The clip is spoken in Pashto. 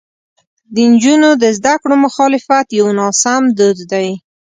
د نجونو د زده کړو مخالفت یو ناسمو دود دی.